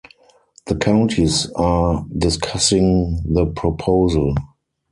The counties are discussing the proposal.